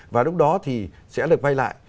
và lúc đó thì sẽ được vay lại